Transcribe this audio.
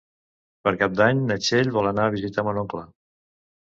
Per Cap d'Any na Txell vol anar a visitar mon oncle.